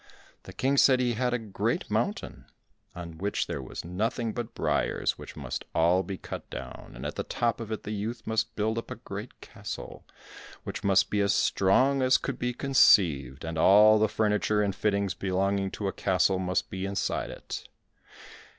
The King said he had a great mountain on which there was nothing but briars which must all be cut down, and at the top of it the youth must build up a great castle, which must be as strong as could be conceived, and all the furniture and fittings belonging to a castle must be inside it.